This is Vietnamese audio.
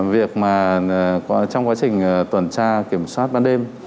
việc mà trong quá trình tuần tra kiểm soát ban đêm